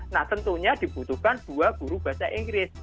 nah tentunya dibutuhkan dua guru bahasa inggris